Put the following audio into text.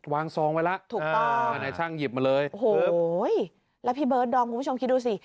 ซองไว้แล้วถูกต้องนายช่างหยิบมาเลยโอ้โหแล้วพี่เบิร์ดดอมคุณผู้ชมคิดดูสิ